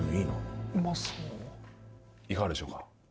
いかがでしょうか？